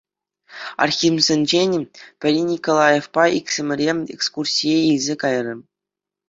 Архимсенчен пӗри Николаевпа иксӗмӗре экскурсие илсе кайрӗ.